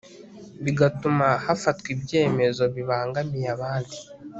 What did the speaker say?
bigatuma hafatwa ibyemezo bibangamiye abandi